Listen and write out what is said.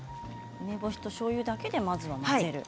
梅干し、おしょうゆだけでまず混ぜる。